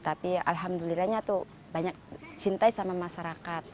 tapi alhamdulillahnya tuh banyak dicintai sama masyarakat